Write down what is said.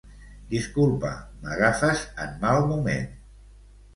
Disculpa, m'agafes en mal moment.